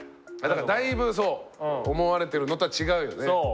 だいぶそう思われてるのとは違うよね。